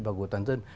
và của toàn dân